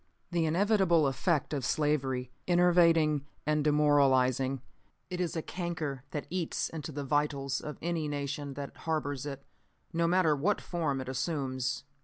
"The inevitable effect of slavery is enervating and demoralizing. It is a canker that eats into the vitals of any nation that harbors it, no matter what form it assumes.